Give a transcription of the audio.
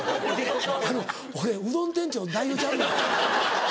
俺うどん店長の代表ちゃうのよ。